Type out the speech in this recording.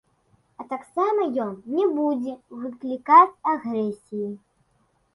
А таксама ён не будзе выклікаць агрэсіі.